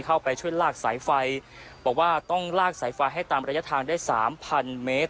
เข้าไปช่วยลากสายไฟบอกว่าต้องลากสายไฟให้ตามระยะทางได้สามพันเมตร